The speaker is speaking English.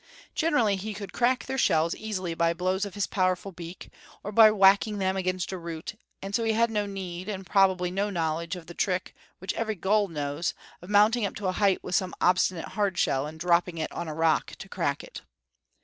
Generally he could crack their shells easily by blows of his powerful beak, or by whacking them against a root; and so he had no need (and probably no knowledge) of the trick, which every gull knows, of mounting up to a height with some obstinate hardshell and dropping it on a rock to crack it.